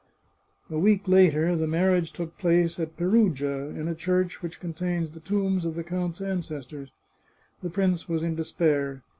'" A week later, the marriage took place at Perugia, in a church which contains the tombs of the count's ancestors. The prince was in despair.